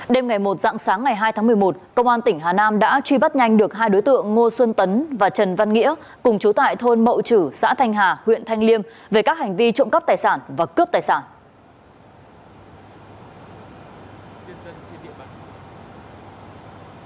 đêm ngày một dạng sáng ngày hai tháng một mươi một công an tỉnh hà nam đã truy bắt nhanh được hai đối tượng ngô xuân tấn và trần văn nghĩa cùng chú tại thôn mậu chử xã thanh hà huyện thanh liêm về các hành vi trộm cắp tài sản và cướp tài sản